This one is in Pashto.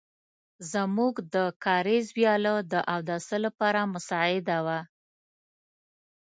زموږ د کاریز وياله د اوداسه لپاره مساعده وه.